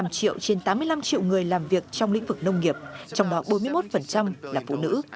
năm triệu trên tám mươi năm triệu người làm việc trong lĩnh vực nông nghiệp trong đó bốn mươi một là phụ nữ